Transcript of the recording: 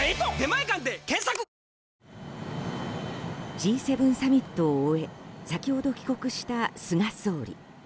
Ｇ７サミットを終え先ほど帰国した菅総理。